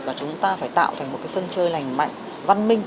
và chúng ta phải tạo thành một cái sân chơi lành mạnh văn minh